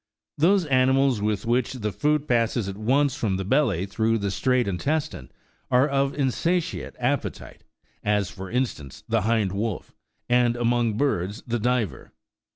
Those animals with which the food passes at once from the belly through the straight intestine, are of insatiate appetite, as, for instance, the hind wolf,92 and among birds the diver.